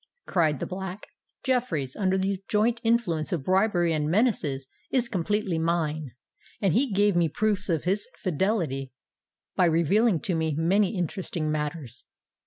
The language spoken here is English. cried the Black, "Jeffreys, under the joint influence of bribery and menaces, is completely mine: and he gave me proofs of his fidelity by revealing to me many interesting matters.